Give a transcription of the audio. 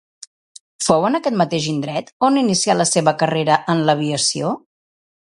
Fou en aquest mateix indret on inicià la seva carrera en l'aviació?